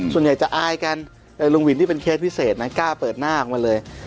ส่วนใหญ่จะอายกันลุงวินนี่เป็นเคสพิเศษนะกล้าเปิดหน้าออกมาเลย